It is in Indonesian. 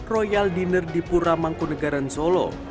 royal dinner di pura mangkunegaran solo